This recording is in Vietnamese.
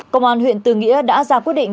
công an huyện từ nghĩa đã ra quyết định